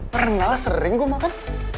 pernah lah sering gua makan